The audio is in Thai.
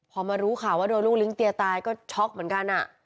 พอมารู้ข่าวว่าโดนลูกลิ้งเตียตายก็ช็อกเหมือนกัน